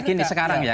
gini sekarang ya